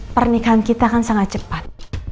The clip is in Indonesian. pernikahan kita kan sangat cepat